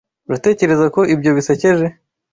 Uratekereza ko ibyo bisekeje?